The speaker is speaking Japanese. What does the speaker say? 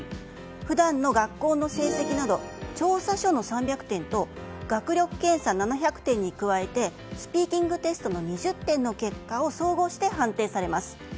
普段の学校の成績など調査書の３００点と学力検査７００点に加えてスピーキングテストの２０点の結果を総合して判定されます。